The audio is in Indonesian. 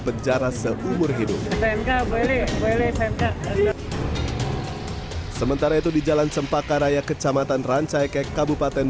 penjara seumur hidup sementara itu di jalan cempakaraya kecamatan rancaikek kabupaten